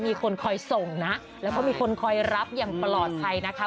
มีคนคอยส่งนะแล้วก็มีคนคอยรับอย่างปลอดภัยนะคะ